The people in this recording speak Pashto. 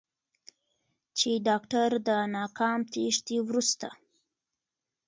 چې داکتر د ناکام تېښتې وروسته